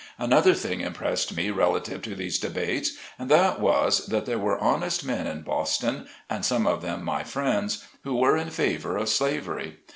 Another thing impressed me relative to these debates, and that was, that there were honest men in Boston — and some of them my friends — who were in favor of slavery.